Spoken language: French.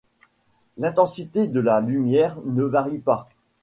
L’intensité de la lumière ne varie pas.